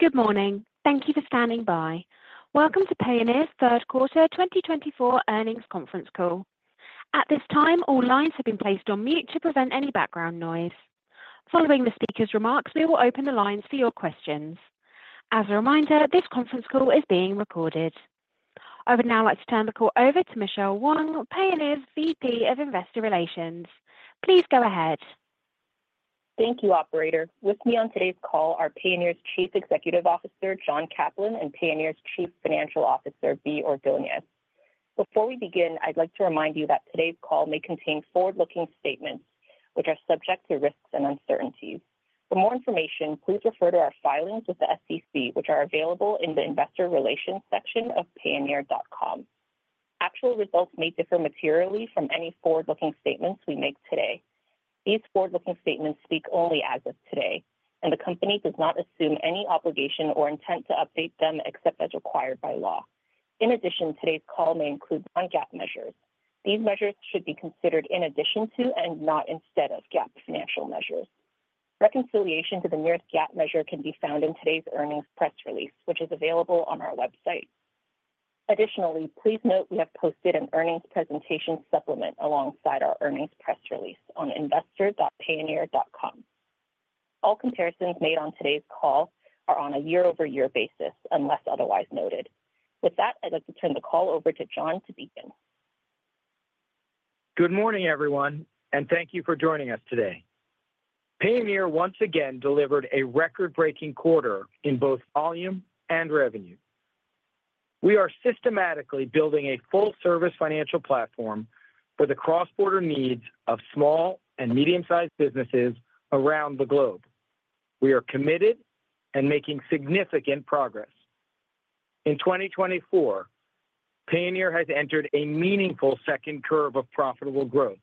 Good morning. Thank you for standing by. Welcome to Payoneer's third quarter 2024 earnings conference call. At this time, all lines have been placed on mute to prevent any background noise. Following the speaker's remarks, we will open the lines for your questions. As a reminder, this conference call is being recorded. I would now like to turn the call over to Michelle Wang, Payoneer's VP of Investor Relations. Please go ahead. Thank you, Operator. With me on today's call are Payoneer's Chief Executive Officer, John Caplan, and Payoneer's Chief Financial Officer, Bea Ordonez. Before we begin, I'd like to remind you that today's call may contain forward-looking statements, which are subject to risks and uncertainties. For more information, please refer to our filings with the SEC, which are available in the Investor Relations section of payoneer.com. Actual results may differ materially from any forward-looking statements we make today. These forward-looking statements speak only as of today, and the company does not assume any obligation or intent to update them except as required by law. In addition, today's call may include non-GAAP measures. These measures should be considered in addition to and not instead of GAAP financial measures. Reconciliation to the nearest GAAP measure can be found in today's earnings press release, which is available on our website. Additionally, please note we have posted an earnings presentation supplement alongside our earnings press release on investor.payoneer.com. All comparisons made on today's call are on a year-over-year basis unless otherwise noted. With that, I'd like to turn the call over to John to begin. Good morning, everyone, and thank you for joining us today. Payoneer once again delivered a record-breaking quarter in both volume and revenue. We are systematically building a full-service financial platform for the cross-border needs of small and medium-sized businesses around the globe. We are committed and making significant progress. In 2024, Payoneer has entered a meaningful second curve of profitable growth,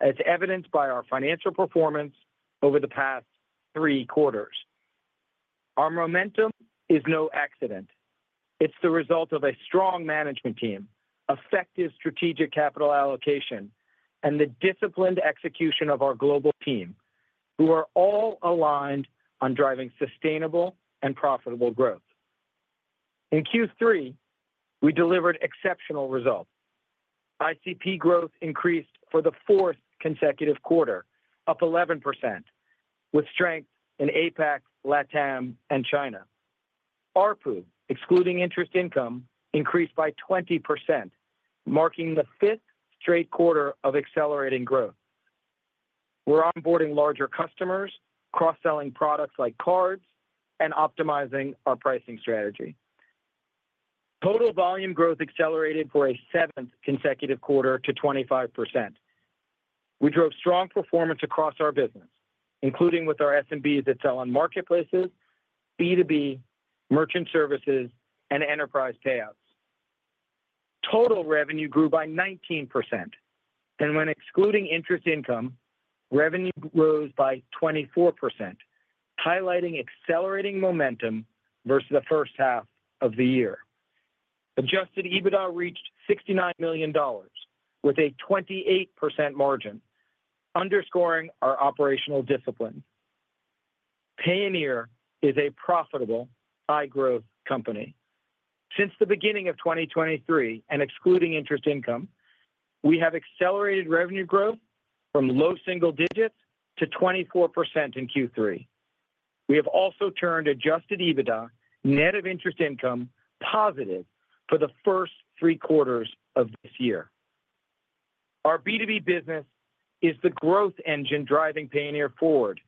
as evidenced by our financial performance over the past three quarters. Our momentum is no accident. It's the result of a strong management team, effective strategic capital allocation, and the disciplined execution of our global team, who are all aligned on driving sustainable and profitable growth. In Q3, we delivered exceptional results. ICP growth increased for the fourth consecutive quarter, up 11%, with strength in APAC, LATAM, and China. ARPU, excluding interest income, increased by 20%, marking the fifth straight quarter of accelerating growth. We're onboarding larger customers, cross-selling products like cards, and optimizing our pricing strategy. Total volume growth accelerated for a seventh consecutive quarter to 25%. We drove strong performance across our business, including with our SMBs that sell on marketplaces, B2B, Merchant Services, and Enterprise Payouts. Total revenue grew by 19%, and when excluding interest income, revenue rose by 24%, highlighting accelerating momentum versus the first half of the year. Adjusted EBITDA reached $69 million, with a 28% margin, underscoring our operational discipline. Payoneer is a profitable, high-growth company. Since the beginning of 2023, and excluding interest income, we have accelerated revenue growth from low single digits to 24% in Q3. We have also turned adjusted EBITDA, net of interest income, positive for the first three quarters of this year. Our B2B business is the growth engine driving Payoneer forward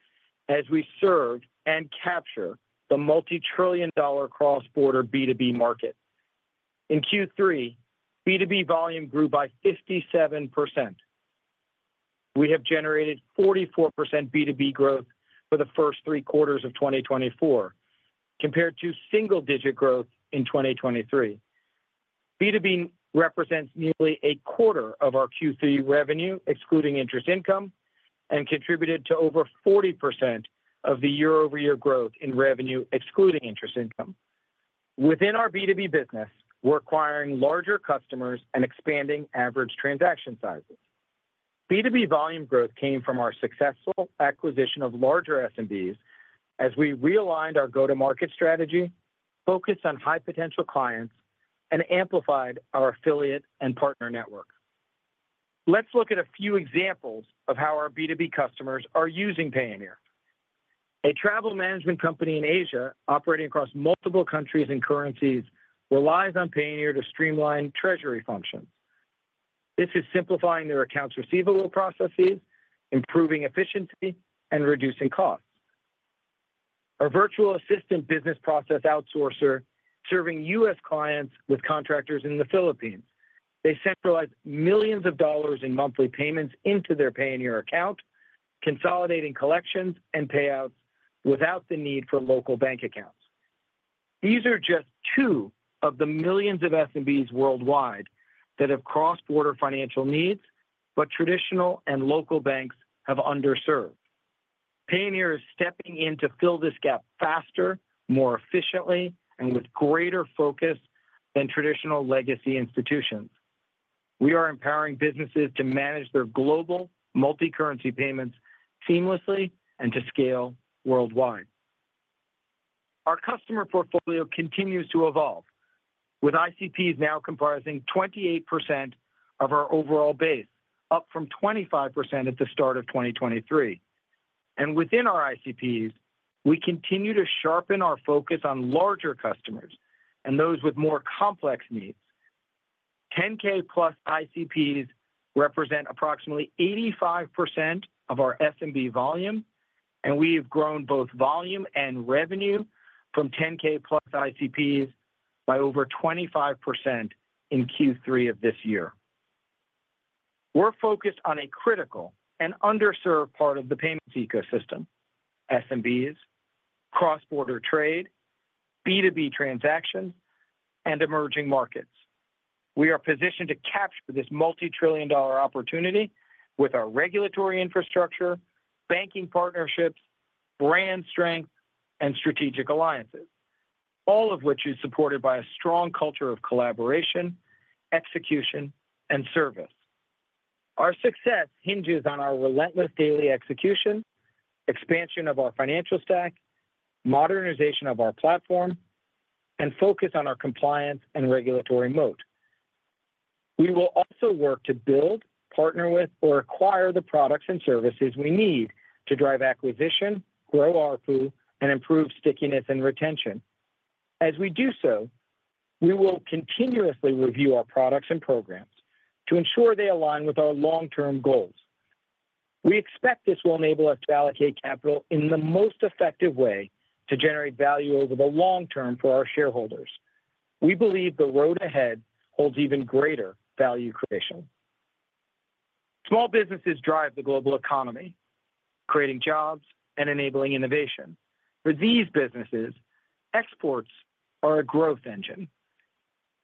as we serve and capture the multi-trillion-dollar cross-border B2B market. In Q3, B2B volume grew by 57%. We have generated 44% B2B growth for the first three quarters of 2024, compared to single-digit growth in 2023. B2B represents nearly a quarter of our Q3 revenue, excluding interest income, and contributed to over 40% of the year-over-year growth in revenue, excluding interest income. Within our B2B business, we're acquiring larger customers and expanding average transaction sizes. B2B volume growth came from our successful acquisition of larger SMBs as we realigned our go-to-market strategy, focused on high-potential clients, and amplified our affiliate and partner network. Let's look at a few examples of how our B2B customers are using Payoneer. A travel management company in Asia, operating across multiple countries and currencies, relies on Payoneer to streamline treasury functions. This is simplifying their accounts receivable processes, improving efficiency, and reducing costs. Our virtual assistant business process outsourcer is serving U.S. clients with contractors in the Philippines. They centralize millions of dollars in monthly payments into their Payoneer account, consolidating collections and payouts without the need for local bank accounts. These are just two of the millions of SMBs worldwide that have cross-border financial needs, but traditional and local banks have underserved. Payoneer is stepping in to fill this gap faster, more efficiently, and with greater focus than traditional legacy institutions. We are empowering businesses to manage their global multi-currency payments seamlessly and to scale worldwide. Our customer portfolio continues to evolve, with ICPs now comprising 28% of our overall base, up from 25% at the start of 2023. And within our ICPs, we continue to sharpen our focus on larger customers and those with more complex needs. 10K-plus ICPs represent approximately 85% of our SMB volume, and we have grown both volume and revenue from 10K-plus ICPs by over 25% in Q3 of this year. We're focused on a critical and underserved part of the payments ecosystem: SMBs, cross-border trade, B2B transactions, and emerging markets. We are positioned to capture this multi-trillion-dollar opportunity with our regulatory infrastructure, banking partnerships, brand strength, and strategic alliances, all of which is supported by a strong culture of collaboration, execution, and service. Our success hinges on our relentless daily execution, expansion of our financial stack, modernization of our platform, and focus on our compliance and regulatory moat. We will also work to build, partner with, or acquire the products and services we need to drive acquisition, grow ARPU, and improve stickiness and retention. As we do so, we will continuously review our products and programs to ensure they align with our long-term goals. We expect this will enable us to allocate capital in the most effective way to generate value over the long term for our shareholders. We believe the road ahead holds even greater value creation. Small businesses drive the global economy, creating jobs and enabling innovation. For these businesses, exports are a growth engine.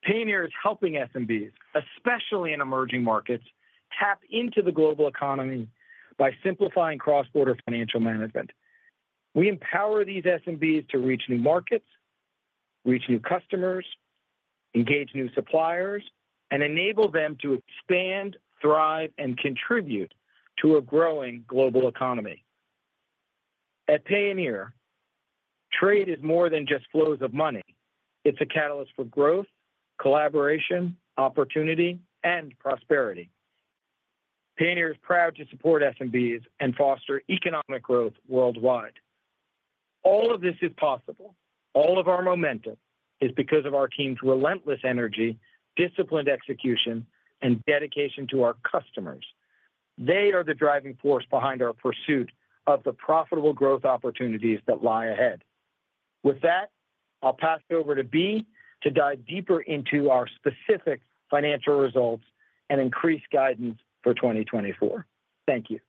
Payoneer is helping SMBs, especially in emerging markets, tap into the global economy by simplifying cross-border financial management. We empower these SMBs to reach new markets, reach new customers, engage new suppliers, and enable them to expand, thrive, and contribute to a growing global economy. At Payoneer, trade is more than just flows of money. It's a catalyst for growth, collaboration, opportunity, and prosperity. Payoneer is proud to support SMBs and foster economic growth worldwide. All of this is possible. All of our momentum is because of our team's relentless energy, disciplined execution, and dedication to our customers. They are the driving force behind our pursuit of the profitable growth opportunities that lie ahead. With that, I'll pass it over to Bea to dive deeper into our specific financial results and increase guidance for 2024. Thank you.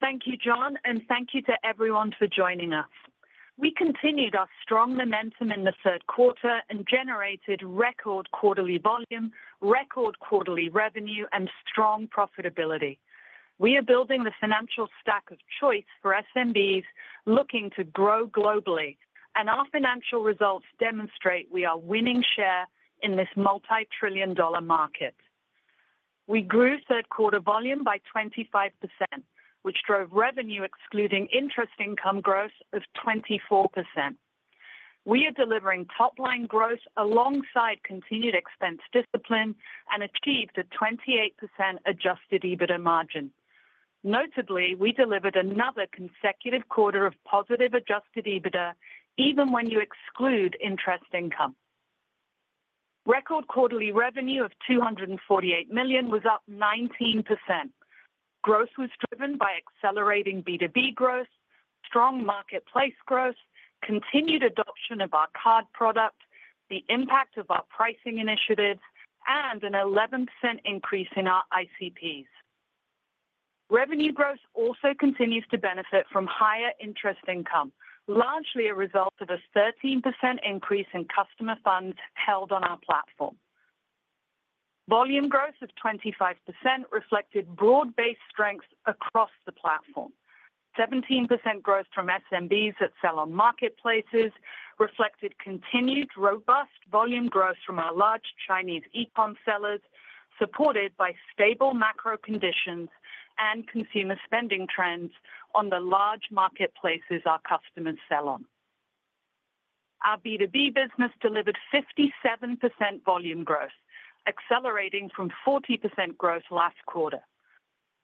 Thank you, John, and thank you to everyone for joining us. We continued our strong momentum in the third quarter and generated record quarterly volume, record quarterly revenue, and strong profitability. We are building the financial stack of choice for SMBs looking to grow globally, and our financial results demonstrate we are winning share in this multi-trillion-dollar market. We grew third-quarter volume by 25%, which drove revenue, excluding interest income, growth of 24%. We are delivering top-line growth alongside continued expense discipline and achieved a 28% adjusted EBITDA margin. Notably, we delivered another consecutive quarter of positive adjusted EBITDA, even when you exclude interest income. Record quarterly revenue of $248 million was up 19%. Growth was driven by accelerating B2B growth, strong marketplace growth, continued adoption of our card product, the impact of our pricing initiatives, and an 11% increase in our ICPs. Revenue growth also continues to benefit from higher interest income, largely a result of a 13% increase in customer funds held on our platform. Volume growth of 25% reflected broad-based strengths across the platform. 17% growth from SMBs that sell on marketplaces reflected continued robust volume growth from our large Chinese e-com sellers, supported by stable macro conditions and consumer spending trends on the large marketplaces our customers sell on. Our B2B business delivered 57% volume growth, accelerating from 40% growth last quarter.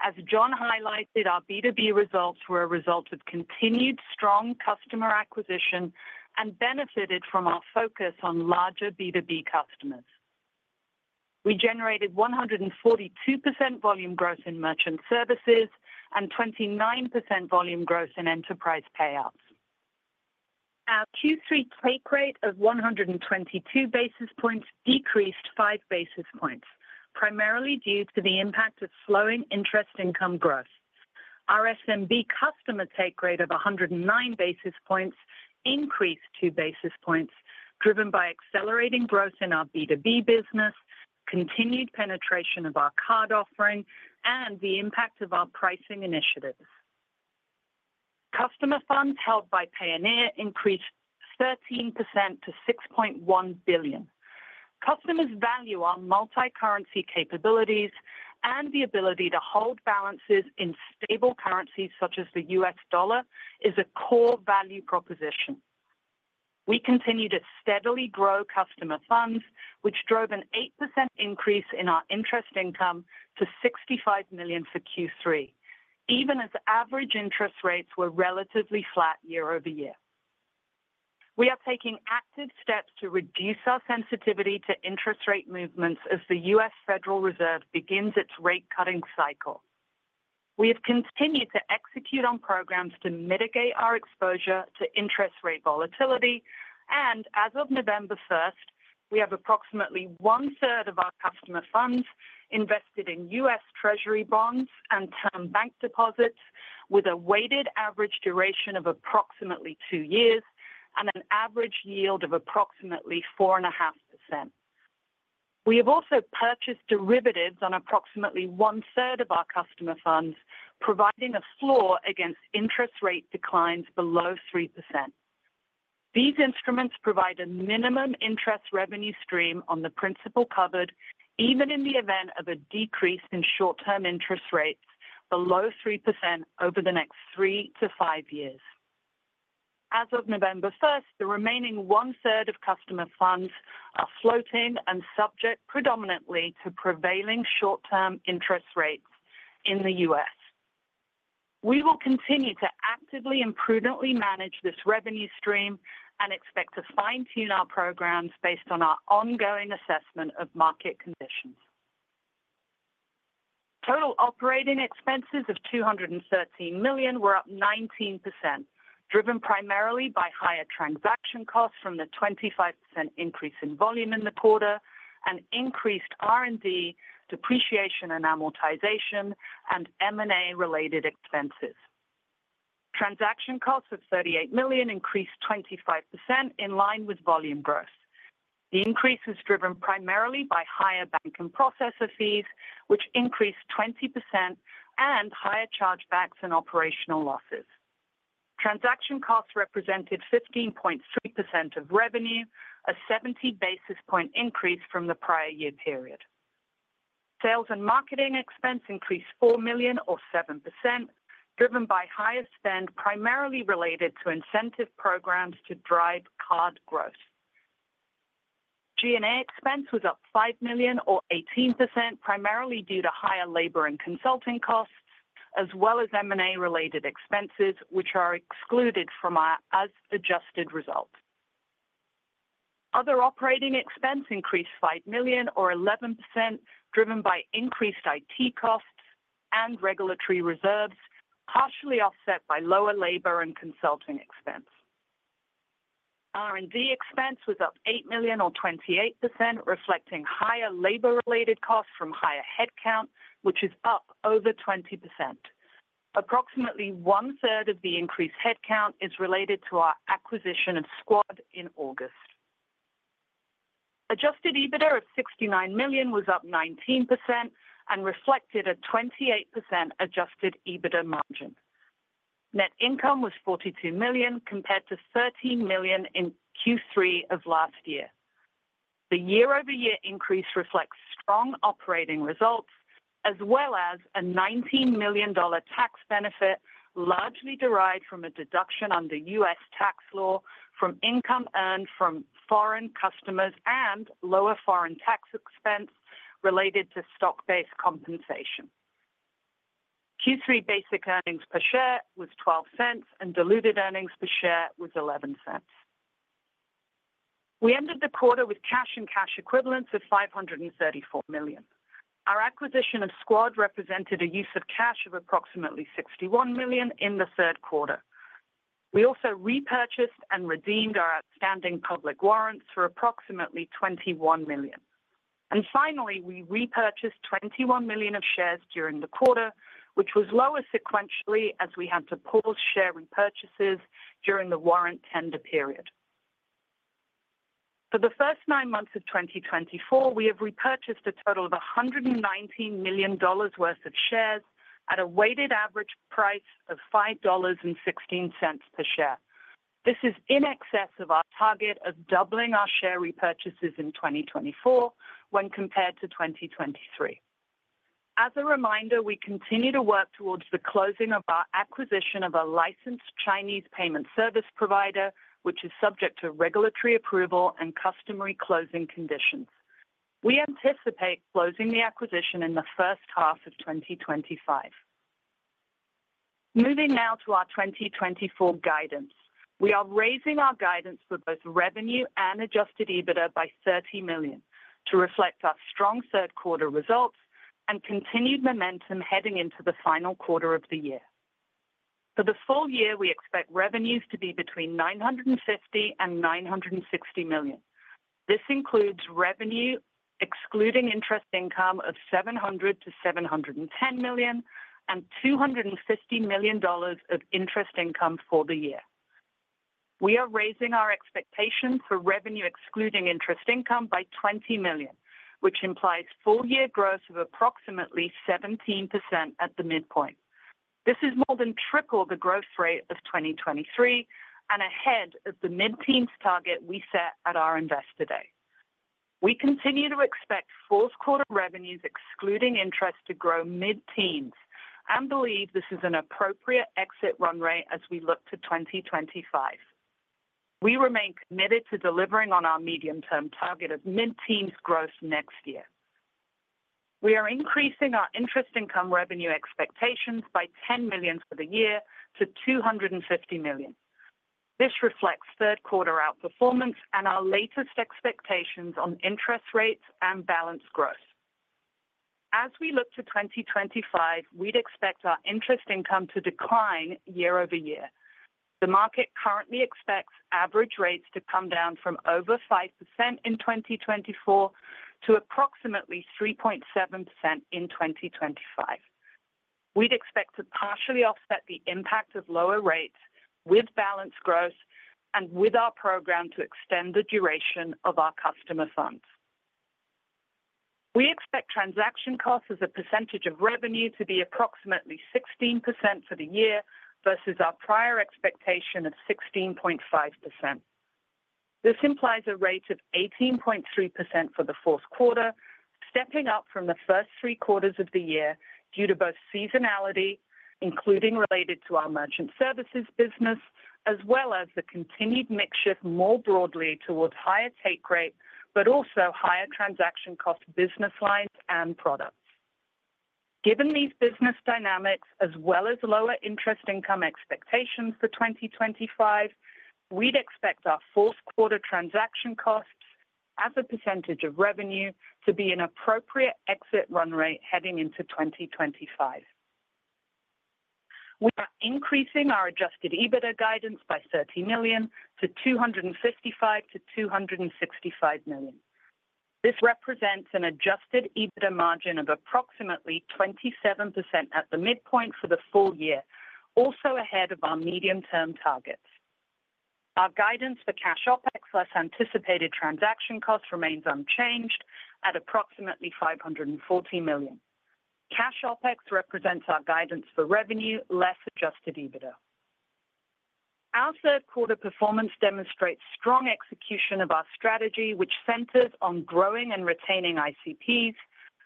As John highlighted, our B2B results were a result of continued strong customer acquisition and benefited from our focus on larger B2B customers. We generated 142% volume growth in merchant services and 29% volume growth in enterprise payouts. Our Q3 take rate of 122 basis points decreased five basis points, primarily due to the impact of slowing interest income growth. Our SMB customer take rate of 109 basis points increased two basis points, driven by accelerating growth in our B2B business, continued penetration of our card offering, and the impact of our pricing initiatives. Customer funds held by Payoneer increased 13% to $6.1 billion. Customers value our multi-currency capabilities, and the ability to hold balances in stable currencies such as the U.S. dollar is a core value proposition. We continue to steadily grow customer funds, which drove an 8% increase in our interest income to $65 million for Q3, even as average interest rates were relatively flat year over year. We are taking active steps to reduce our sensitivity to interest rate movements as the U.S. Federal Reserve begins its rate-cutting cycle. We have continued to execute on programs to mitigate our exposure to interest rate volatility, and as of November 1st, we have approximately 1/3 of our customer funds invested in U.S. Treasury Bonds and term bank deposits, with a weighted average duration of approximately two years and an average yield of approximately 4.5%. We have also purchased derivatives on approximately 1/3 of our customer funds, providing a floor against interest rate declines below 3%. These instruments provide a minimum interest revenue stream on the principal covered, even in the event of a decrease in short-term interest rates below 3% over the next three to five years. As of November 1st, the remaining one-third of customer funds are floating and subject predominantly to prevailing short-term interest rates in the U.S. We will continue to actively and prudently manage this revenue stream and expect to fine-tune our programs based on our ongoing assessment of market conditions. Total operating expenses of $213 million were up 19%, driven primarily by higher transaction costs from the 25% increase in volume in the quarter and increased R&D, depreciation, and amortization, and M&A-related expenses. Transaction costs of $38 million increased 25% in line with volume growth. The increase was driven primarily by higher banking processor fees, which increased 20%, and higher chargebacks and operational losses. Transaction costs represented 15.3% of revenue, a 70-basis-point increase from the prior year period. Sales and marketing expense increased $4 million, or 7%, driven by higher spend primarily related to incentive programs to drive card growth. G&A expense was up $5 million, or 18%, primarily due to higher labor and consulting costs, as well as M&A-related expenses, which are excluded from our as-adjusted result. Other operating expense increased $5 million, or 11%, driven by increased IT costs and regulatory reserves, partially offset by lower labor and consulting expense. R&D expense was up $8 million, or 28%, reflecting higher labor-related costs from higher headcount, which is up over 20%. Approximately one-third of the increased headcount is related to our acquisition of Skuad in August. Adjusted EBITDA of $69 million was up 19% and reflected a 28% adjusted EBITDA margin. Net income was $42 million, compared to $13 million in Q3 of last year. The year-over-year increase reflects strong operating results, as well as a $19 million tax benefit largely derived from a deduction under U.S. Tax law from income earned from foreign customers and lower foreign tax expense related to stock-based compensation. Q3 basic earnings per share was $0.12, and diluted earnings per share was $0.11. We ended the quarter with cash and cash equivalents of $534 million. Our acquisition of Skuad represented a use of cash of approximately $61 million in the third quarter. We also repurchased and redeemed our outstanding public warrants for approximately $21 million. And finally, we repurchased $21 million of shares during the quarter, which was lower sequentially as we had to pause share repurchases during the warrant tender period. For the first nine months of 2024, we have repurchased a total of $119 million worth of shares at a weighted average price of $5.16 per share. This is in excess of our target of doubling our share repurchases in 2024 when compared to 2023. As a reminder, we continue to work towards the closing of our acquisition of a licensed Chinese payment service provider, which is subject to regulatory approval and customary closing conditions. We anticipate closing the acquisition in the first half of 2025. Moving now to our 2024 guidance. We are raising our guidance for both revenue and Adjusted EBITDA by $30 million to reflect our strong third-quarter results and continued momentum heading into the final quarter of the year. For the full year, we expect revenues to be between $950 million-$960 million. This includes revenue excluding interest income of $700 million-$710 million and $250 million of interest income for the year. We are raising our expectations for revenue excluding interest income by $20 million, which implies full-year growth of approximately 17% at the midpoint. This is more than triple the growth rate of 2023 and ahead of the mid-teens target we set at our Investor Day. We continue to expect fourth-quarter revenues excluding interest to grow mid-teens and believe this is an appropriate exit run rate as we look to 2025. We remain committed to delivering on our medium-term target of mid-teens growth next year. We are increasing our interest income revenue expectations by $10 million for the year to $250 million. This reflects third-quarter outperformance and our latest expectations on interest rates and balanced growth. As we look to 2025, we'd expect our interest income to decline year over year. The market currently expects average rates to come down from over 5% in 2024 to approximately 3.7% in 2025. We'd expect to partially offset the impact of lower rates with balanced growth and with our program to extend the duration of our customer funds. We expect transaction costs as a percentage of revenue to be approximately 16% for the year versus our prior expectation of 16.5%. This implies a rate of 18.3% for the fourth quarter, stepping up from the first three quarters of the year due to both seasonality, including related to our merchant services business, as well as the continued mixture more broadly towards higher take rate, but also higher transaction cost business lines and products. Given these business dynamics, as well as lower interest income expectations for 2025, we'd expect our fourth-quarter transaction costs as a percentage of revenue to be an appropriate exit run rate heading into 2025. We are increasing our adjusted EBITDA guidance by $30 million to $255 million-$265 million. This represents an adjusted EBITDA margin of approximately 27% at the midpoint for the full year, also ahead of our medium-term targets. Our guidance for cash OpEx less anticipated transaction costs remains unchanged at approximately $540 million. Cash OpEx represents our guidance for revenue less adjusted EBITDA. Our third-quarter performance demonstrates strong execution of our strategy, which centers on growing and retaining ICPs,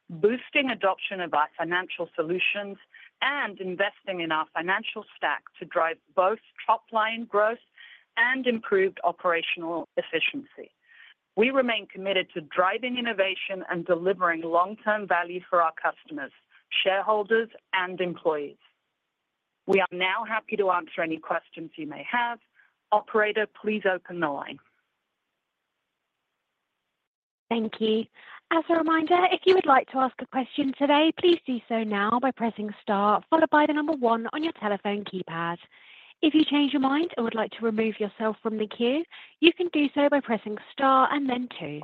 boosting adoption of our financial solutions, and investing in our financial stack to drive both top-line growth and improved operational efficiency. We remain committed to driving innovation and delivering long-term value for our customers, shareholders, and employees. We are now happy to answer any questions you may have. Operator, please open the line. Thank you. As a reminder, if you would like to ask a question today, please do so now by pressing star, followed by the number one on your telephone keypad. If you change your mind and would like to remove yourself from the queue, you can do so by pressing star and then two.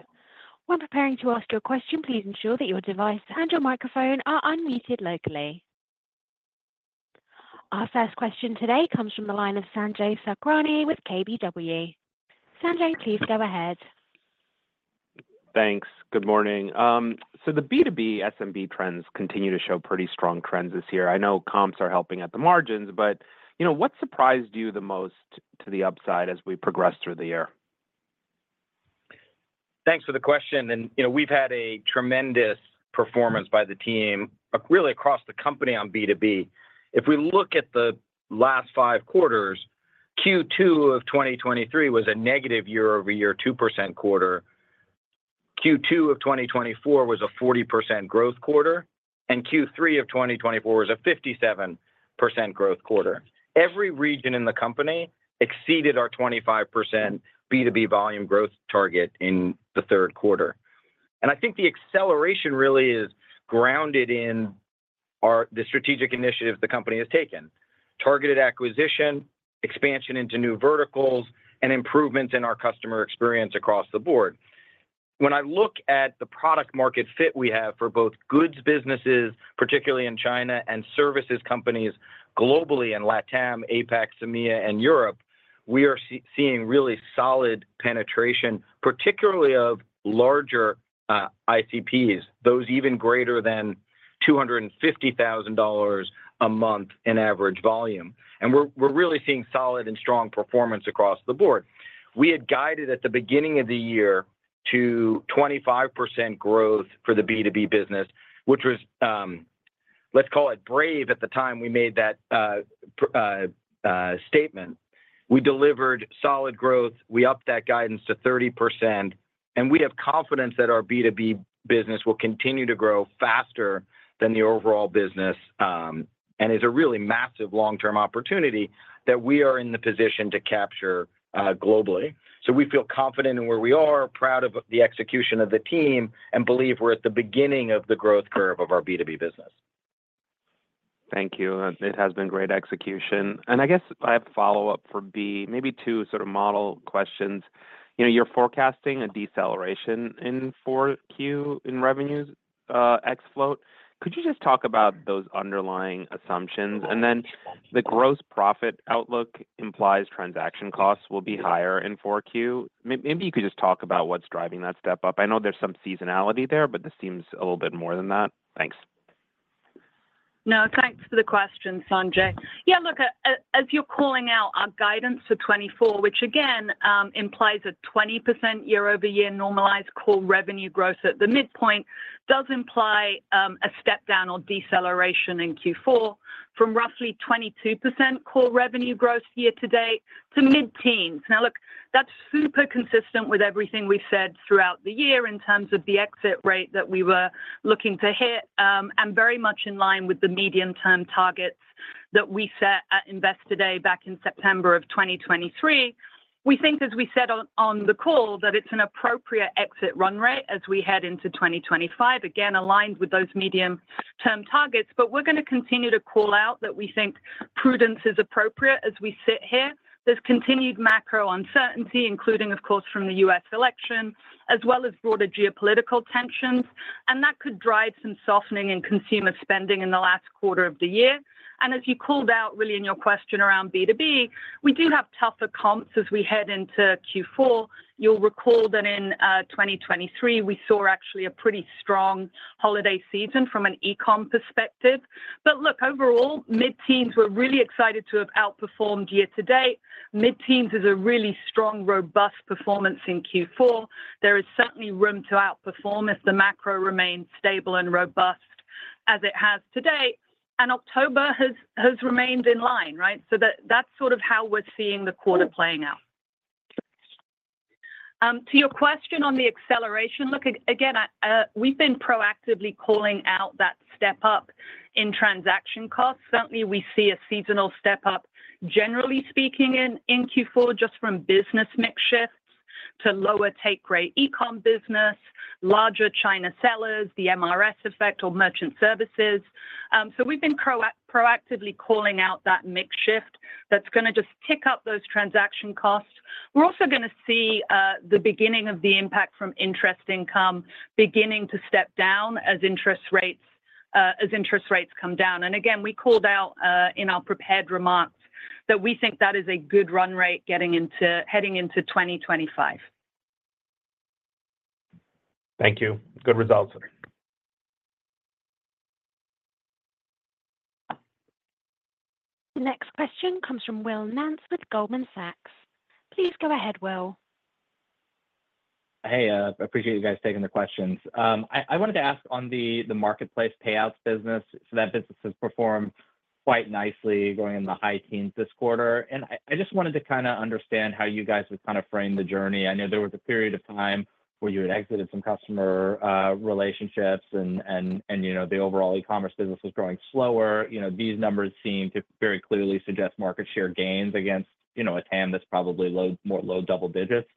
When preparing to ask your question, please ensure that your device and your microphone are unmuted locally. Our first question today comes from the line of Sanjay Sakhrani with KBW. Sanjay, please go ahead. Thanks. Good morning. So the B2B SMB trends continue to show pretty strong trends this year. I know comps are helping at the margins, but what surprised you the most to the upside as we progressed through the year? Thanks for the question. And we've had a tremendous performance by the team, really across the company on B2B. If we look at the last five quarters, Q2 of 2023 was a negative year-over-year 2% quarter. Q2 of 2024 was a 40% growth quarter, and Q3 of 2024 was a 57% growth quarter. Every region in the company exceeded our 25% B2B volume growth target in the third quarter. And I think the acceleration really is grounded in the strategic initiatives the company has taken: targeted acquisition, expansion into new verticals, and improvements in our customer experience across the board. When I look at the product-market fit we have for both goods businesses, particularly in China, and services companies globally in LATAM, APAC, SAMEA, and Europe, we are seeing really solid penetration, particularly of larger ICPs, those even greater than $250,000 a month in average volume. And we're really seeing solid and strong performance across the board. We had guided at the beginning of the year to 25% growth for the B2B business, which was, let's call it, brave at the time we made that statement. We delivered solid growth. We upped that guidance to 30%, and we have confidence that our B2B business will continue to grow faster than the overall business and is a really massive long-term opportunity that we are in the position to capture globally. So we feel confident in where we are, proud of the execution of the team, and believe we're at the beginning of the growth curve of our B2B business. Thank you. It has been great execution. And I guess I have a follow-up for Bea, maybe two sort of model questions. You're forecasting a deceleration in 4Q in revenues ex-float. Could you just talk about those underlying assumptions? And then the gross profit outlook implies transaction costs will be higher in 4Q. Maybe you could just talk about what's driving that step up. I know there's some seasonality there, but this seems a little bit more than that. Thanks. No, thanks for the question, Sanjay. Yeah, look, as you're calling out our guidance for 2024, which again implies a 20% year-over-year normalized core revenue growth at the midpoint, does imply a step down or deceleration in Q4 from roughly 22% core revenue growth year to date to mid-teens. Now, look, that's super consistent with everything we've said throughout the year in terms of the exit rate that we were looking to hit and very much in line with the medium-term targets that we set at Investor Day back in September of 2023. We think, as we said on the call, that it's an appropriate exit run rate as we head into 2025, again aligned with those medium-term targets. But we're going to continue to call out that we think prudence is appropriate as we sit here. There's continued macro uncertainty, including, of course, from the U.S. election, as well as broader geopolitical tensions, and that could drive some softening in consumer spending in the last quarter of the year. And as you called out, really, in your question around B2B, we do have tougher comps as we head into Q4. You'll recall that in 2023, we saw actually a pretty strong holiday season from an e-com perspective. But look, overall, mid-teens, we're really excited to have outperformed year-to-date. Mid-teens is a really strong, robust performance in Q4. There is certainly room to outperform if the macro remains stable and robust as it has today. And October has remained in line, right? So that's sort of how we're seeing the quarter playing out. To your question on the acceleration, look, again, we've been proactively calling out that step up in transaction costs. Certainly, we see a seasonal step up, generally speaking, in Q4, just from business mix shifts to lower take rate e-com business, larger China sellers, the MRS effect, or merchant services. So we've been proactively calling out that mix shift that's going to just tick up those transaction costs. We're also going to see the beginning of the impact from interest income beginning to step down as interest rates come down. And again, we called out in our prepared remarks that we think that is a good run rate heading into 2025. Thank you. Good results. The next question comes from Will Nance with Goldman Sachs. Please go ahead, Will. Hey, I appreciate you guys taking the questions. I wanted to ask on the marketplace payouts business. So that business has performed quite nicely going into the high teens this quarter. And I just wanted to kind of understand how you guys would kind of frame the journey. I know there was a period of time where you had exited some customer relationships and the overall e-commerce business was growing slower. These numbers seem to very clearly suggest market share gains against a TAM that's probably more low double digits.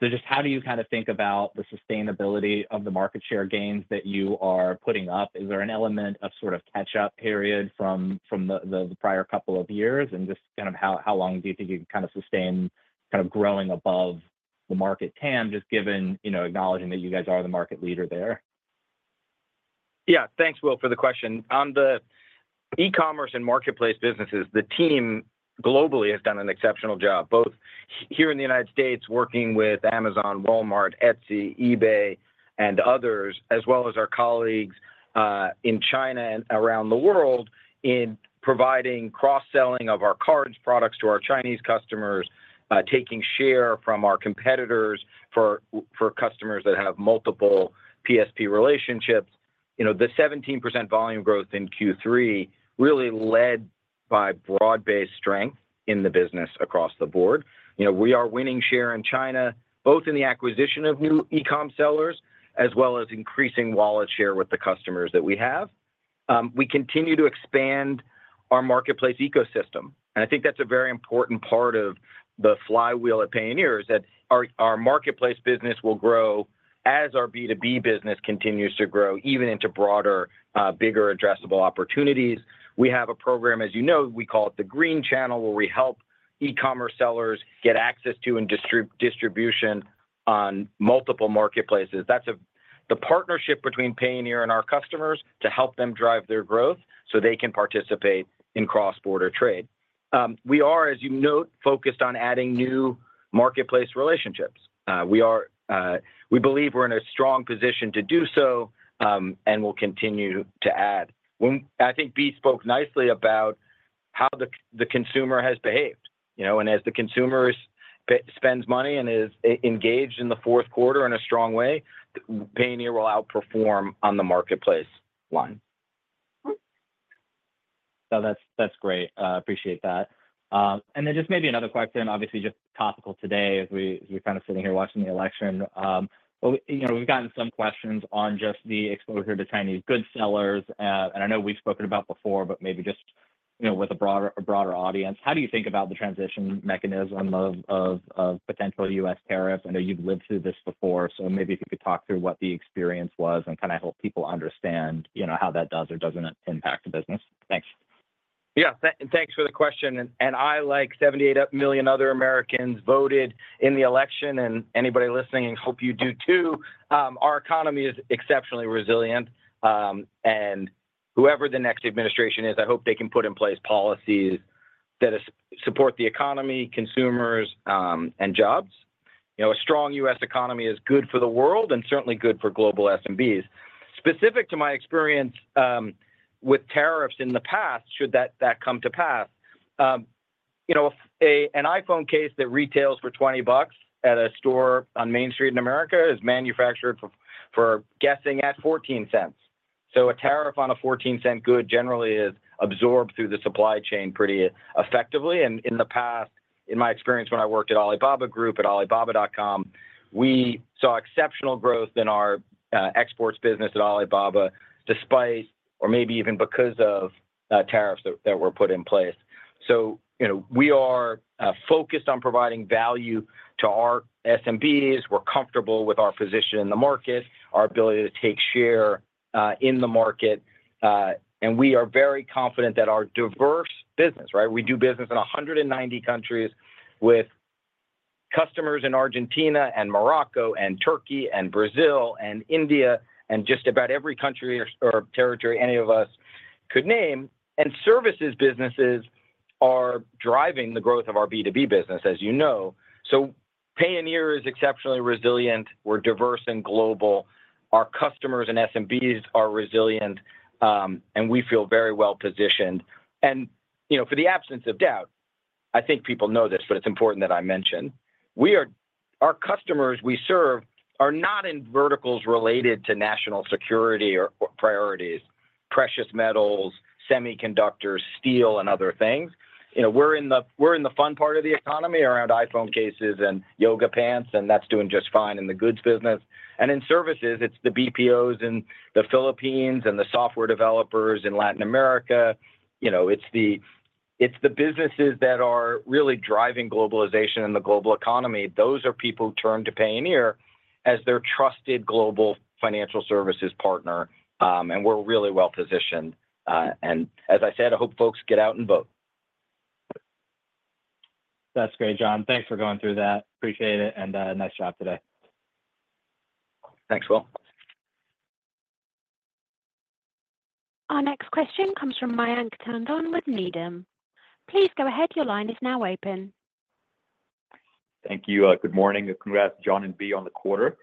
So just how do you kind of think about the sustainability of the market share gains that you are putting up? Is there an element of sort of catch-up period from the prior couple of years? And just kind of how long do you think you can kind of sustain kind of growing above the market TAM, just given acknowledging that you guys are the market leader there? Yeah, thanks, Will, for the question. On the e-commerce and marketplace businesses, the team globally has done an exceptional job, both here in the United States working with Amazon, Walmart, Etsy, eBay, and others, as well as our colleagues in China and around the world in providing cross-selling of our cards products to our Chinese customers, taking share from our competitors for customers that have multiple PSP relationships. The 17% volume growth in Q3 really led by broad-based strength in the business across the board. We are winning share in China, both in the acquisition of new e-com sellers as well as increasing wallet share with the customers that we have. We continue to expand our marketplace ecosystem, and I think that's a very important part of the flywheel at Payoneer is that our marketplace business will grow as our B2B business continues to grow, even into broader, bigger addressable opportunities. We have a program, as you know, we call it the Green Channel, where we help e-commerce sellers get access to and distribution on multiple marketplaces. That's the partnership between Payoneer and our customers to help them drive their growth so they can participate in cross-border trade. We are, as you note, focused on adding new marketplace relationships. We believe we're in a strong position to do so and will continue to add. I think Bea spoke nicely about how the consumer has behaved. And as the consumer spends money and is engaged in the fourth quarter in a strong way, Payoneer will outperform on the marketplace line. No, that's great. I appreciate that. And then just maybe another question, obviously just topical today as we're kind of sitting here watching the election. We've gotten some questions on just the exposure to Chinese goods sellers. I know we've spoken about before, but maybe just with a broader audience, how do you think about the transition mechanism of potential U.S. tariffs? I know you've lived through this before, so maybe if you could talk through what the experience was and kind of help people understand how that does or doesn't impact the business. Thanks. Yeah, thanks for the question. I, like 78 million other Americans, voted in the election, and anybody listening, I hope you do too. Our economy is exceptionally resilient. Whoever the next administration is, I hope they can put in place policies that support the economy, consumers, and jobs. A strong U.S. economy is good for the world and certainly good for global SMBs. Specific to my experience with tariffs in the past, should that come to pass, an iPhone case that retails for $20 at a store on Main Street in America is manufactured for, guessing, $0.14. So a tariff on a $0.14 good generally is absorbed through the supply chain pretty effectively, and in the past, in my experience when I worked at Alibaba Group at Alibaba.com, we saw exceptional growth in our exports business at Alibaba despite, or maybe even because of, tariffs that were put in place, so we are focused on providing value to our SMBs. We're comfortable with our position in the market, our ability to take share in the market, and we are very confident that our diverse business, right? We do business in 190 countries with customers in Argentina and Morocco and Turkey and Brazil and India and just about every country or territory any of us could name, and services businesses are driving the growth of our B2B business, as you know, so Payoneer is exceptionally resilient. We're diverse and global. Our customers and SMBs are resilient, and we feel very well positioned, and for the absence of doubt, I think people know this, but it's important that I mention our customers we serve are not in verticals related to national security or priorities: precious metals, semiconductors, steel, and other things. We're in the fun part of the economy around iPhone cases and yoga pants, and that's doing just fine in the goods business, and in services, it's the BPOs in the Philippines and the software developers in Latin America. It's the businesses that are really driving globalization in the global economy. Those are people who turn to Payoneer as their trusted global financial services partner. And we're really well positioned. And as I said, I hope folks get out and vote. That's great, John. Thanks for going through that. Appreciate it. And nice job today. Thanks, Will. Our next question comes from Mayank Tandon with Needham. Please go ahead. Your line is now open. Thank you. Good morning. Congrats, John and Bea, on the quarter.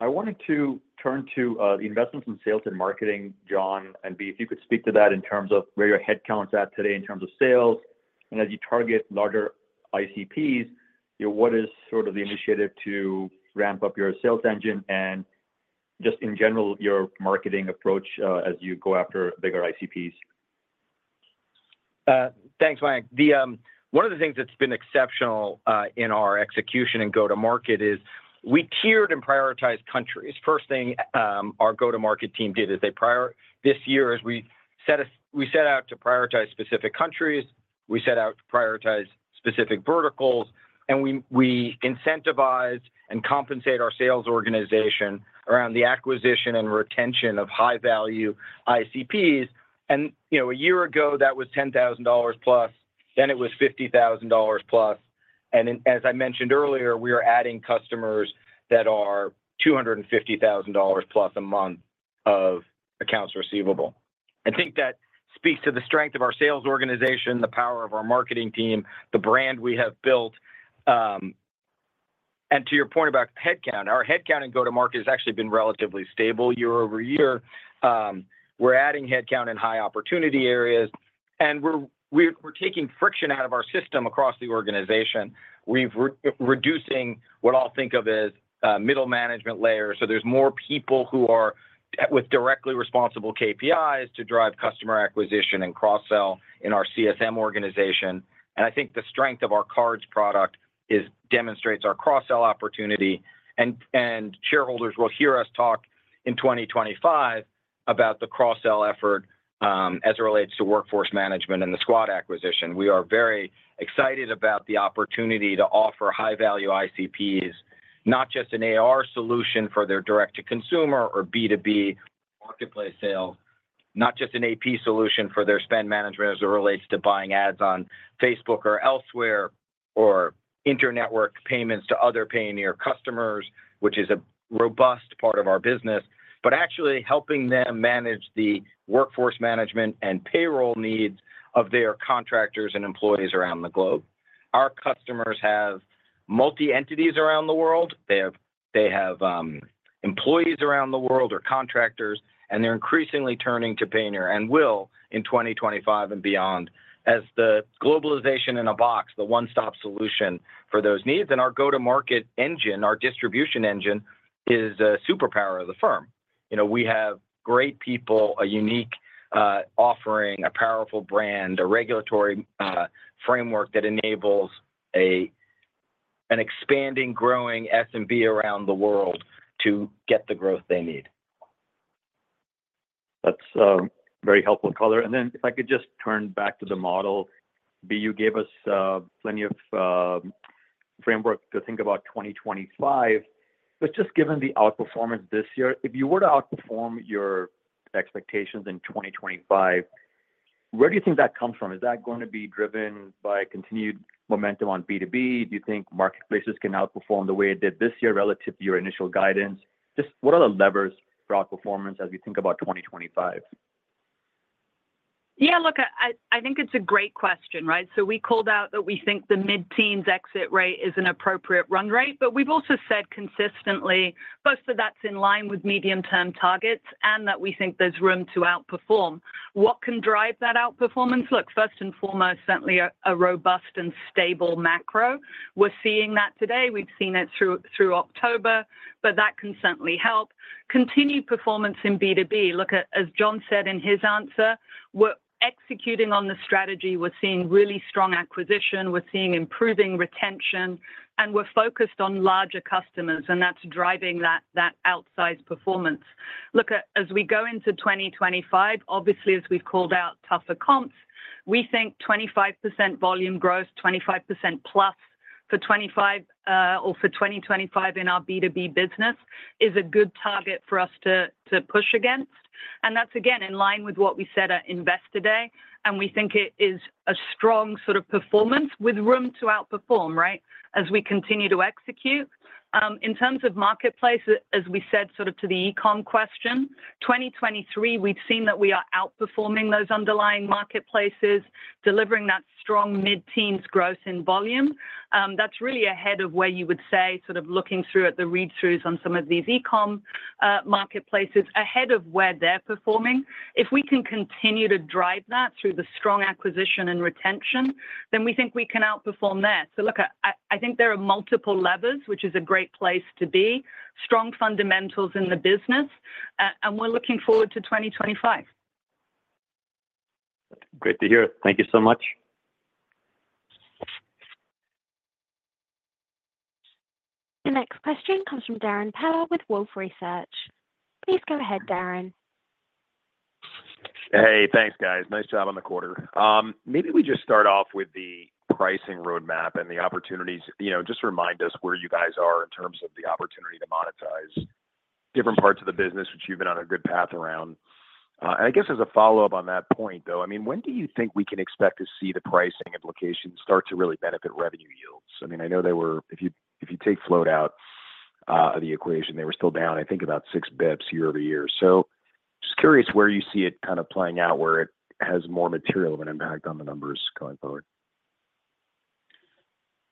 I wanted to turn to the investments in sales and marketing, John and Bea, if you could speak to that in terms of where your headcount is at today in terms of sales. And as you target larger ICPs, what is sort of the initiative to ramp up your sales engine and just, in general, your marketing approach as you go after bigger ICPs? Thanks, Mayank. One of the things that's been exceptional in our execution and go-to-market is we tiered and prioritized countries. First thing our go-to-market team did is they prioritized this year as we set out to prioritize specific countries. We set out to prioritize specific verticals, and we incentivize and compensate our sales organization around the acquisition and retention of high-value ICPs. And a year ago, that was $10,000+. Then it was $50,000+. And as I mentioned earlier, we are adding customers that are $250,000+ a month of accounts receivable. I think that speaks to the strength of our sales organization, the power of our marketing team, the brand we have built. And to your point about headcount, our headcount and go-to-market has actually been relatively stable year over year. We're adding headcount in high opportunity areas. And we're taking friction out of our system across the organization. We're reducing what I'll think of as middle management layer. So there's more people who are with directly responsible KPIs to drive customer acquisition and cross-sell in our CSM organization. And I think the strength of our cards product demonstrates our cross-sell opportunity. And shareholders will hear us talk in 2025 about the cross-sell effort as it relates to workforce management and the Skuad acquisition. We are very excited about the opportunity to offer high-value ICPs, not just an AR solution for their direct-to-consumer or B2B marketplace sales, not just an AP solution for their spend management as it relates to buying ads on Facebook or elsewhere or inter-network payments to other Payoneer customers, which is a robust part of our business, but actually helping them manage the workforce management and payroll needs of their contractors and employees around the globe. Our customers have multi-entities around the world. They have employees around the world or contractors, and they're increasingly turning to Payoneer as well in 2025 and beyond as the globalization in a box, the one-stop solution for those needs, and our go-to-market engine, our distribution engine, is a superpower of the firm. We have great people, a unique offering, a powerful brand, a regulatory framework that enables an expanding, growing SMB around the world to get the growth they need. That's very helpful to color. And then if I could just turn back to the model, Bea, you gave us plenty of framework to think about 2025. But just given the outperformance this year, if you were to outperform your expectations in 2025, where do you think that comes from? Is that going to be driven by continued momentum on B2B? Do you think marketplaces can outperform the way it did this year relative to your initial guidance? Just what are the levers for outperformance as we think about 2025? Yeah, look, I think it's a great question, right? So we called out that we think the mid-teens exit rate is an appropriate run rate. But we've also said consistently both that that's in line with medium-term targets and that we think there's room to outperform. What can drive that outperformance? Look, first and foremost, certainly a robust and stable macro. We're seeing that today. We've seen it through October, but that can certainly help. Continued performance in B2B, look, as John said in his answer, we're executing on the strategy. We're seeing really strong acquisition. We're seeing improving retention. And we're focused on larger customers, and that's driving that outsized performance. Look, as we go into 2025, obviously, as we've called out, tougher comps. We think 25% volume growth, 25%+ for 2025 in our B2B business is a good target for us to push against. And that's, again, in line with what we said at Invest Today. And we think it is a strong sort of performance with room to outperform, right, as we continue to execute. In terms of marketplace, as we said sort of to the e-com question, 2023, we've seen that we are outperforming those underlying marketplaces, delivering that strong mid-teens growth in volume. That's really ahead of where you would say sort of looking through at the read-throughs on some of these e-com marketplaces, ahead of where they're performing. If we can continue to drive that through the strong acquisition and retention, then we think we can outperform there. So look, I think there are multiple levers, which is a great place to be, strong fundamentals in the business, and we're looking forward to 2025. Great to hear. Thank you so much. The next question comes from Darrin Peller with Wolfe Research. Please go ahead, Darrin. Hey, thanks, guys. Nice job on the quarter. Maybe we just start off with the pricing roadmap and the opportunities. Just remind us where you guys are in terms of the opportunity to monetize different parts of the business, which you've been on a good path around. And I guess as a follow-up on that point, though, I mean, when do you think we can expect to see the pricing implications start to really benefit revenue yields? I mean, I know they were, if you take float out of the equation, they were still down, I think, about six basis points year over year. So just curious where you see it kind of playing out, where it has more material of an impact on the numbers going forward.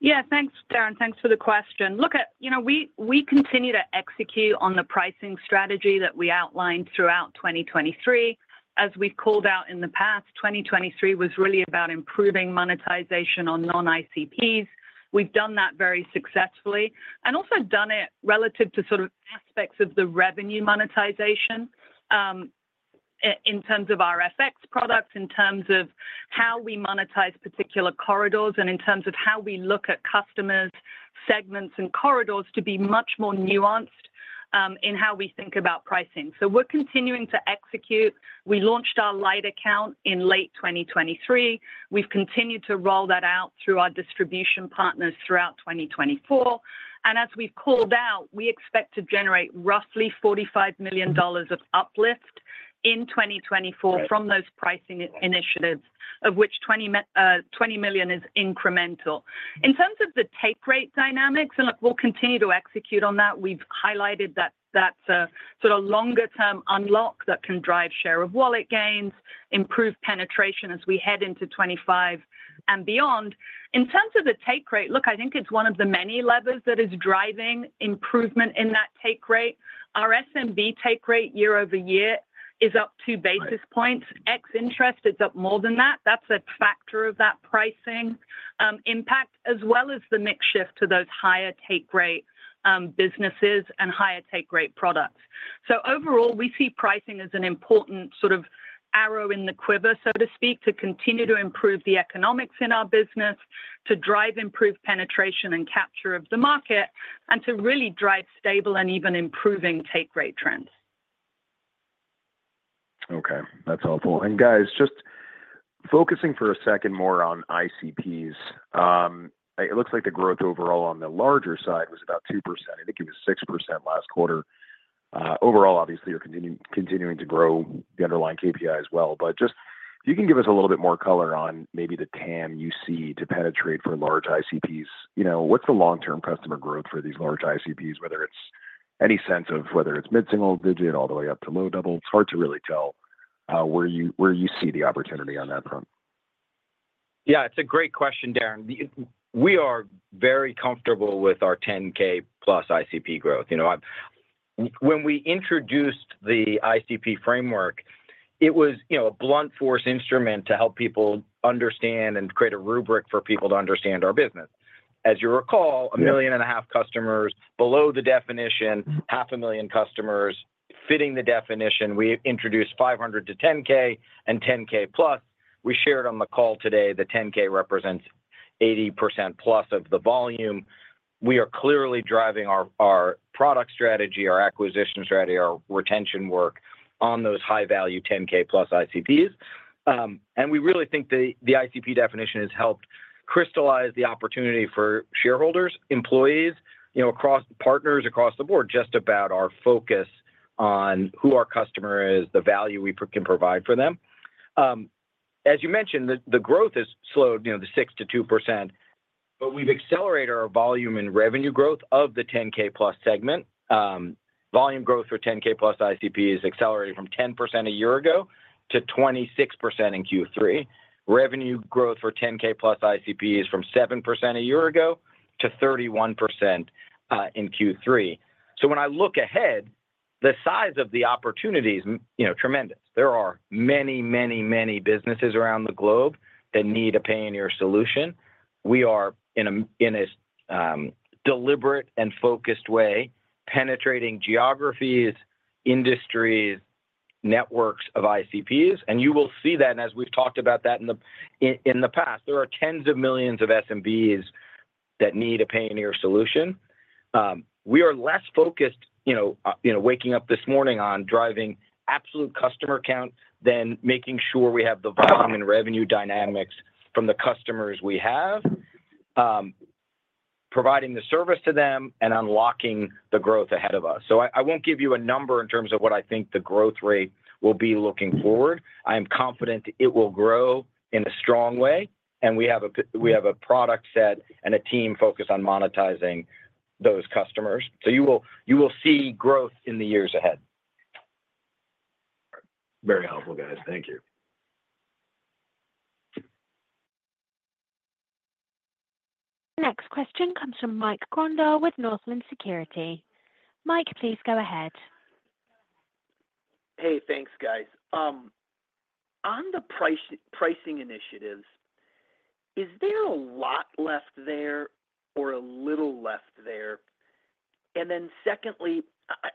Yeah, thanks, Darrin. Thanks for the question. Look, we continue to execute on the pricing strategy that we outlined throughout 2023. As we've called out in the past, 2023 was really about improving monetization on non-ICPs. We've done that very successfully and also done it relative to sort of aspects of the revenue monetization in terms of our FX products, in terms of how we monetize particular corridors, and in terms of how we look at customers, segments, and corridors to be much more nuanced in how we think about pricing. So we're continuing to execute. We launched our Light Account in late 2023. We've continued to roll that out through our distribution partners throughout 2024. And as we've called out, we expect to generate roughly $45 million of uplift in 2024 from those pricing initiatives, of which $20 million is incremental. In terms of the take rate dynamics, and look, we'll continue to execute on that. We've highlighted that that's a sort of longer-term unlock that can drive share of wallet gains, improve penetration as we head into 2025 and beyond. In terms of the take rate, look, I think it's one of the many levers that is driving improvement in that take rate. Our SMB take rate year-over-year is up two basis points. Ex-interest, it's up more than that. That's a factor of that pricing impact, as well as the mix shift to those higher take rate businesses and higher take rate products. So overall, we see pricing as an important sort of arrow in the quiver, so to speak, to continue to improve the economics in our business, to drive improved penetration and capture of the market, and to really drive stable and even improving take rate trends. Okay. That's helpful, and guys, just focusing for a second more on ICPs. It looks like the growth overall on the larger side was about 2%. I think it was 6% last quarter. Overall, obviously, you're continuing to grow the underlying KPI as well. But just if you can give us a little bit more color on maybe the TAM you see to penetrate for large ICPs, what's the long-term customer growth for these large ICPs, whether it's any sense of whether it's mid-single digit all the way up to low double. It's hard to really tell where you see the opportunity on that front. Yeah, it's a great question, Darrin. We are very comfortable with our 10K plus ICP growth. When we introduced the ICP framework, it was a blunt force instrument to help people understand and create a rubric for people to understand our business. As you recall, 1.5 million customers below the definition. 500,000 customers fitting the definition. We introduced 500 to 10K and 10K+. We shared on the call today that 10K represents 80% plus of the volume. We are clearly driving our product strategy, our acquisition strategy, our retention work on those high-value 10K plus ICPs. We really think the ICP definition has helped crystallize the opportunity for shareholders, employees, partners across the board, just about our focus on who our customer is, the value we can provide for them. As you mentioned, the growth has slowed to 6%-2%. We've accelerated our volume and revenue growth of the 10K plus segment. Volume growth for 10K+ ICP is accelerated from 10% a year ago to 26% in Q3. Revenue growth for 10K plus ICP is from 7% a year ago to 31% in Q3. When I look ahead, the size of the opportunity is tremendous. There are many, many, many businesses around the globe that need a Payoneer solution. We are, in a deliberate and focused way, penetrating geographies, industries, networks of ICPs. You will see that, and as we've talked about that in the past, there are tens of millions of SMBs that need a Payoneer solution. We are less focused waking up this morning on driving absolute customer count than making sure we have the volume and revenue dynamics from the customers we have, providing the service to them and unlocking the growth ahead of us. I won't give you a number in terms of what I think the growth rate will be looking forward. I am confident it will grow in a strong way, and we have a product set and a team focused on monetizing those customers. So you will see growth in the years ahead. Very helpful, guys. Thank you. The next question comes from Mike Grondahl with Northland Securities. Mike, please go ahead. Hey, thanks, guys. On the pricing initiatives, is there a lot left there or a little left there? And then secondly,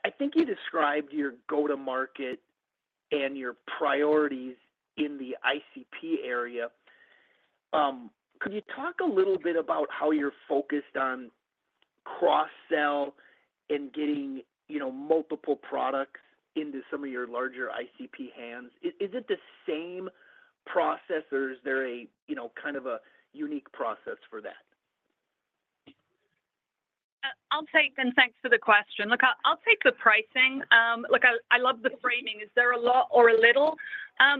I think you described your go-to-market and your priorities in the ICP area. Could you talk a little bit about how you're focused on cross-sell and getting multiple products into some of your larger ICP hands? Is it the same process, or is there kind of a unique process for that? I'll take and thanks for the question. Look, I'll take the pricing. Look, I love the framing. Is there a lot or a little? I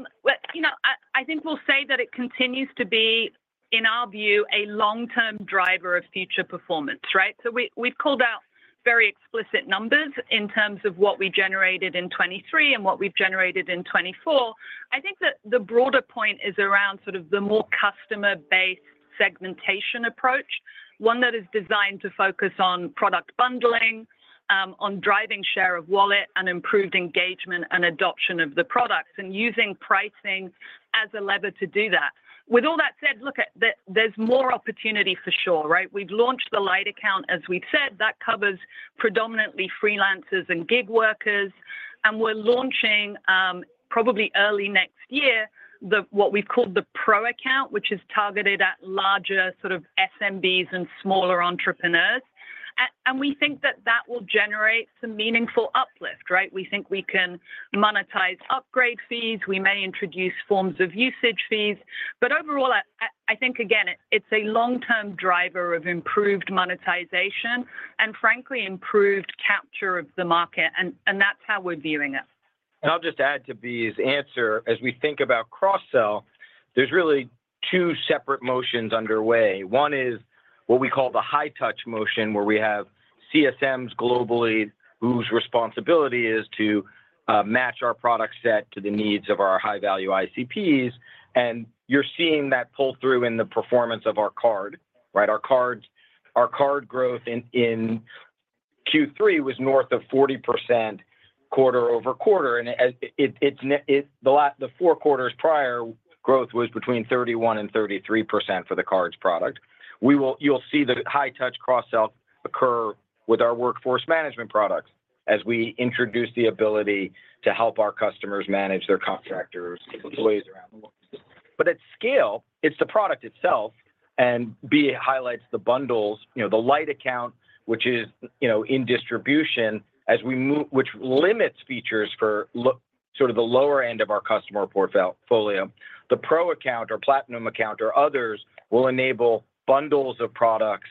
think we'll say that it continues to be, in our view, a long-term driver of future performance, right? So we've called out very explicit numbers in terms of what we generated in 2023 and what we've generated in 2024. I think that the broader point is around sort of the more customer-based segmentation approach, one that is designed to focus on product bundling, on driving share of wallet, and improved engagement and adoption of the products, and using pricing as a lever to do that. With all that said, look, there's more opportunity for sure, right? We've launched the light account, as we've said. That covers predominantly freelancers and gig workers. And we're launching probably early next year what we've called the Pro Account, which is targeted at larger sort of SMBs and smaller entrepreneurs. And we think that that will generate some meaningful uplift, right? We think we can monetize upgrade fees. We may introduce forms of usage fees. But overall, I think, again, it's a long-term driver of improved monetization and, frankly, improved capture of the market. And that's how we're viewing it. And I'll just add to Bea's answer. As we think about cross-sell, there's really two separate motions underway. One is what we call the high-touch motion, where we have CSMs globally whose responsibility is to match our product set to the needs of our high-value ICPs. And you're seeing that pull through in the performance of our card, right? Our card growth in Q3 was north of 40% quarter-over-quarter. And the four quarters prior, growth was between 31%-33% for the cards product. You'll see the high-touch cross-sell occur with our workforce management products as we introduce the ability to help our customers manage their contractors, employees around the world. But at scale, it's the product itself. And Beaea highlights the bundles, the Light Account, which is in distribution, which limits features for sort of the lower end of our customer portfolio. The Pro Account or platinum account or others will enable bundles of products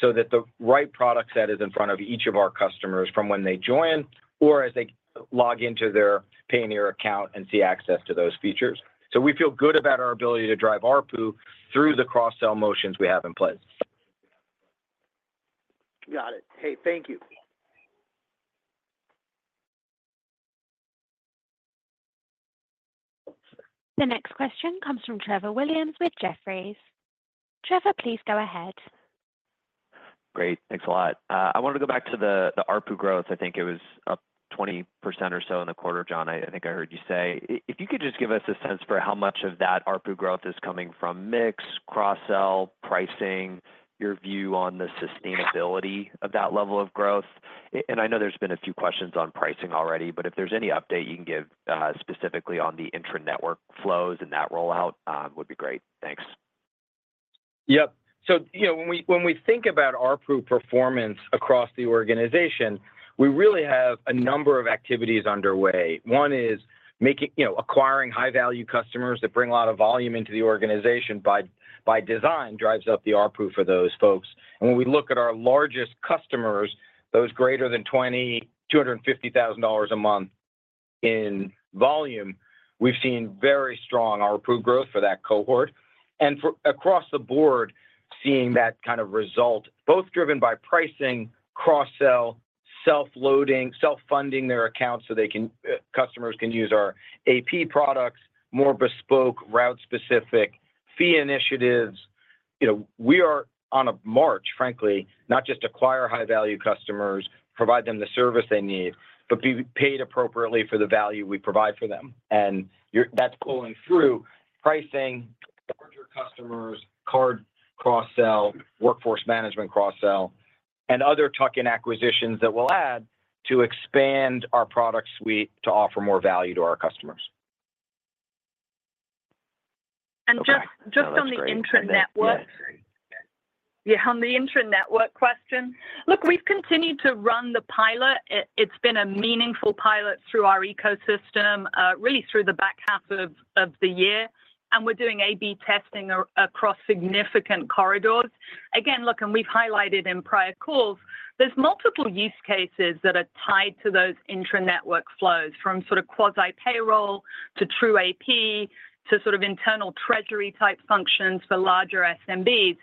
so that the right product set is in front of each of our customers from when they join or as they log into their Payoneer account and see access to those features. So we feel good about our ability to drive our ARPU through the cross-sell motions we have in place. Got it. Hey, thank you. The next question comes from Trevor Williams with Jefferies. Trevor, please go ahead. Great. Thanks a lot. I wanted to go back to the ARPU growth. I think it was up 20% or so in the quarter, John. I think I heard you say. If you could just give us a sense for how much of that ARPU growth is coming from mix, cross-sell, pricing, your view on the sustainability of that level of growth? And I know there's been a few questions on pricing already, but if there's any update you can give specifically on the intranetwork flows and that rollout would be great. Thanks. Yep. So when we think about ARPU performance across the organization, we really have a number of activities underway. One is acquiring high-value customers that bring a lot of volume into the organization by design drives up the ARPU for those folks. And when we look at our largest customers, those greater than $250,000 a month in volume, we've seen very strong ARPU growth for that cohort. And across the board, seeing that kind of result, both driven by pricing, cross-sell, self-funding their accounts so customers can use our AP products, more bespoke, route-specific fee initiatives. We are on a march, frankly, not just acquire high-value customers, provide them the service they need, but be paid appropriately for the value we provide for them. And that's pulling through pricing, larger customers, card cross-sell, workforce management cross-sell, and other tuck-in acquisitions that will add to expand our product suite to offer more value to our customers. And just on the intranetwork. Yeah, on the intranetwork question. Look, we've continued to run the pilot. It's been a meaningful pilot through our ecosystem, really through the back half of the year. And we're doing A/B testing across significant corridors. Again, look, and we've highlighted in prior calls, there's multiple use cases that are tied to those intranetwork flows from sort of quasi-payroll to true AP to sort of internal treasury-type functions for larger SMBs.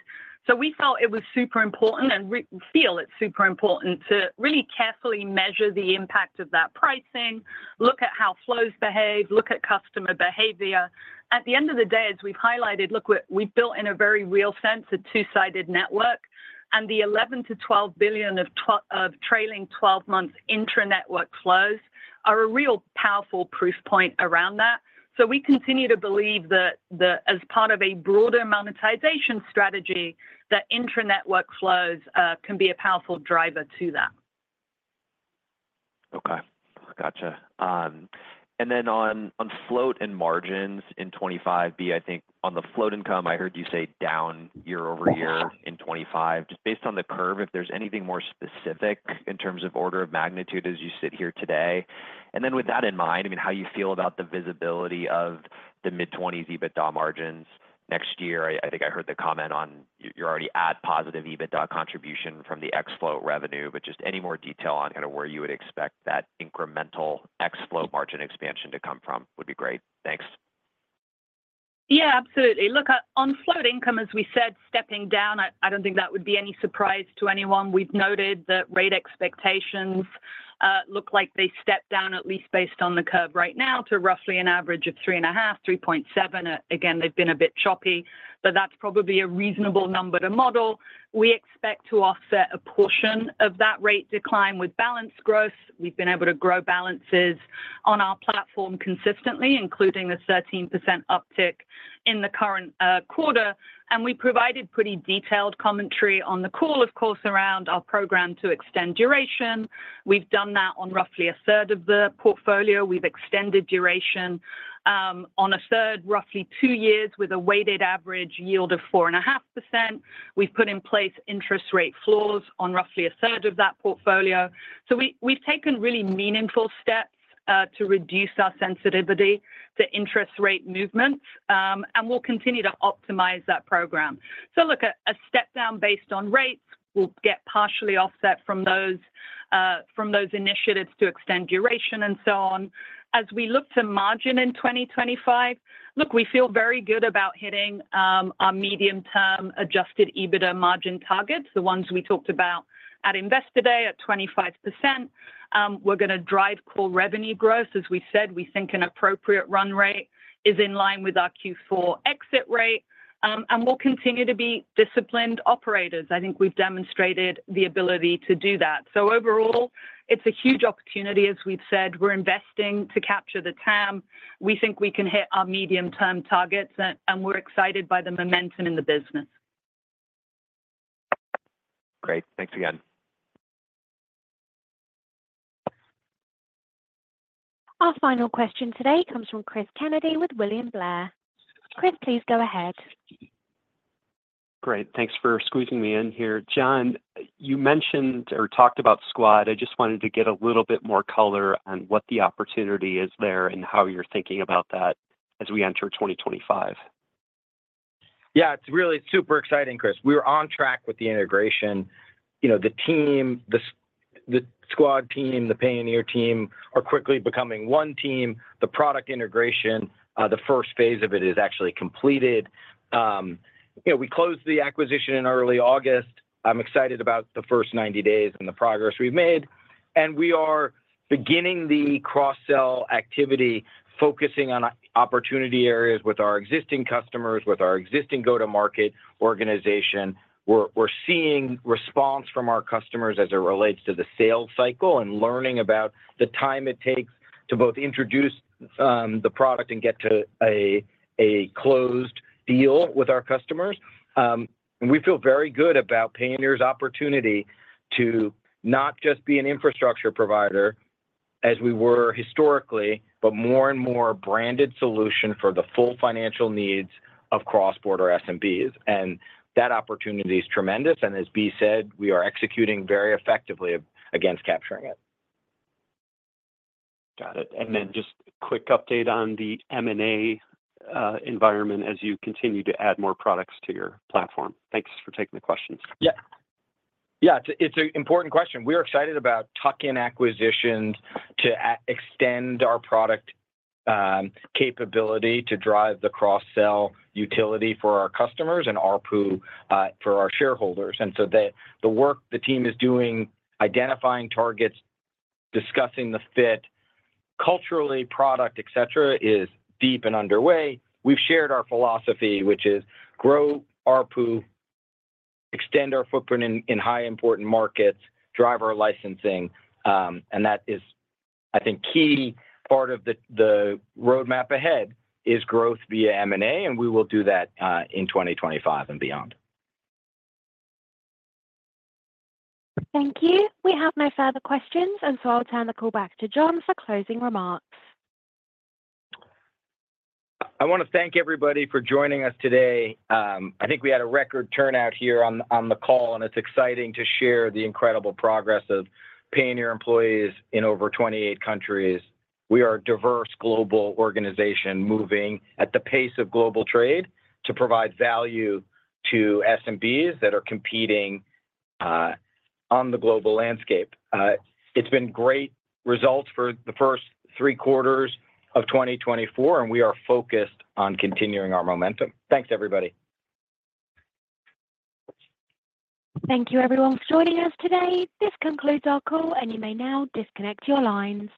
So we felt it was super important and feel it's super important to really carefully measure the impact of that pricing, look at how flows behave, look at customer behavior. At the end of the day, as we've highlighted, look, we've built in a very real sense a two-sided network. And the 11-12 billion of trailing 12-month intranetwork flows are a real powerful proof point around that. So we continue to believe that as part of a broader monetization strategy, that intranetwork flows can be a powerful driver to that. Okay. Got you. And then on float and margins in 2025, Bea, I think on the float income, I heard you say down year over year in 2025. Just based on the curve, if there's anything more specific in terms of order of magnitude as you sit here today. And then with that in mind, I mean, how do you feel about the visibility of the mid-20s% EBITDA margins next year? I think I heard the comment on you're already at positive EBITDA contribution from the ex-float revenue, but just any more detail on kind of where you would expect that incremental ex-float margin expansion to come from would be great. Thanks. Yeah, absolutely. Look, on float income, as we said, stepping down, I don't think that would be any surprise to anyone. We've noted that rate expectations look like they stepped down, at least based on the curve right now, to roughly an average of 3.5%-3.7%. Again, they've been a bit choppy, but that's probably a reasonable number to model. We expect to offset a portion of that rate decline with balance growth. We've been able to grow balances on our platform consistently, including a 13% uptick in the current quarter. And we provided pretty detailed commentary on the call, of course, around our program to extend duration. We've done that on roughly a third of the portfolio. We've extended duration on a third, roughly two years, with a weighted average yield of 4.5%. We've put in place interest rate floors on roughly a third of that portfolio. So we've taken really meaningful steps to reduce our sensitivity to interest rate movements, and we'll continue to optimize that program. So look, a step down based on rates will get partially offset from those initiatives to extend duration and so on. As we look to margin in 2025, look, we feel very good about hitting our medium-term Adjusted EBITDA margin targets, the ones we talked about at Investor Day at 25%. We're going to drive core revenue growth. As we said, we think an appropriate run rate is in line with our Q4 exit rate. And we'll continue to be disciplined operators. I think we've demonstrated the ability to do that. So overall, it's a huge opportunity, as we've said. We're investing to capture the TAM. We think we can hit our medium-term targets, and we're excited by the momentum in the business. Great. Thanks again. Our final question today comes from Chris Kennedy with William Blair. Chris, please go ahead. Great. Thanks for squeezing me in here. John, you mentioned or talked about Skuad. I just wanted to get a little bit more color on what the opportunity is there and how you're thinking about that as we enter 2025? Yeah, it's really super exciting, Chris. We're on track with the integration. The Skuad team, the Payoneer team are quickly becoming one team. The product integration, the first phase of it, is actually completed. We closed the acquisition in early August. I'm excited about the first 90 days and the progress we've made. And we are beginning the cross-sell activity, focusing on opportunity areas with our existing customers, with our existing go-to-market organization. We're seeing response from our customers as it relates to the sales cycle and learning about the time it takes to both introduce the product and get to a closed deal with our customers. We feel very good about Payoneer's opportunity to not just be an infrastructure provider as we were historically, but more and more branded solution for the full financial needs of cross-border SMBs. And that opportunity is tremendous. And as B said, we are executing very effectively against capturing it. Got it. And then just a quick update on the M&A environment as you continue to add more products to your platform. Thanks for taking the questions. Yeah. Yeah, it's an important question. We're excited about tuck-in acquisitions to extend our product capability to drive the cross-sell utility for our customers and ARPU for our shareholders. And so the work the team is doing, identifying targets, discussing the fit, culturally, product, etc., is deep and underway. We've shared our philosophy, which is grow ARPU, extend our footprint in high-importance markets, drive our licensing. That is, I think, key part of the roadmap ahead is growth via M&A, and we will do that in 2025 and beyond. Thank you. We have no further questions. So I'll turn the call back to John for closing remarks. I want to thank everybody for joining us today. I think we had a record turnout here on the call, and it's exciting to share the incredible progress of Payoneer employees in over 28 countries. We are a diverse global organization moving at the pace of global trade to provide value to SMBs that are competing on the global landscape. It's been great results for the first three quarters of 2024, and we are focused on continuing our momentum. Thanks, everybody. Thank you, everyone, for joining us today. This concludes our call, and you may now disconnect your lines.